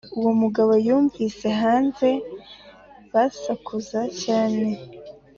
uwo mugabo yumvise hanze basakuza cyane